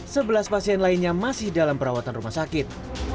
sebelas pasien lainnya masih dalam perawatan rumah sakit